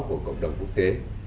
của cộng đồng quốc tế